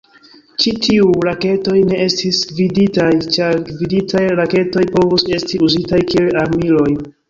Ĉi tiuj raketoj ne estis gviditaj, ĉar gviditaj raketoj povus esti uzitaj kiel armiloj.